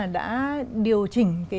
đã điều chỉnh